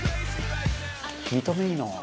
「見た目いいな」